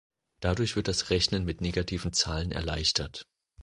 Dadurch wird das Rechnen mit negativen Zahlen erleichtert.